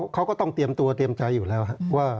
เขาก็ต้องเตรียมตัวเตรียมใจอยู่แล้วว่า